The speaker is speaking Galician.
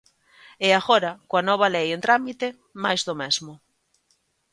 E agora, coa nova lei en trámite, máis do mesmo.